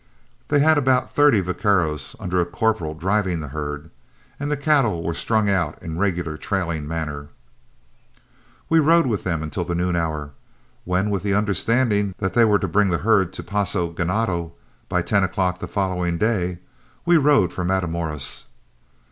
They had about thirty vaqueros under a corporal driving the herd, and the cattle were strung out in regular trailing manner. We rode with them until the noon hour, when, with the understanding that they were to bring the herd to Paso Ganado by ten o'clock the following day, we rode for Matamoros.